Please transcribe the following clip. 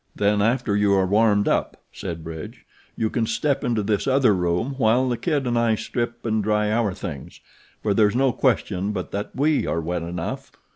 "Then, after you are warmed up," said Bridge, "you can step into this other room while the kid and I strip and dry our things, for there's no question but that we are wet enough."